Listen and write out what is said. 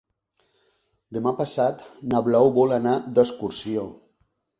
Demà passat na Blau vol anar d'excursió.